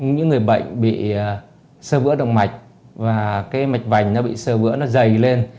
những người bệnh bị sơ vữa động mạch và cái mạch vành nó bị sơ vữa nó dày lên